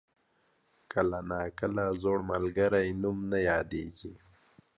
کله ناکله زوړ ملګری نوم نه یادېږي.